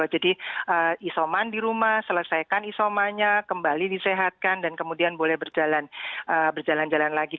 jadi isoman di rumah selesaikan isomanya kembali disehatkan dan kemudian boleh berjalan jalan lagi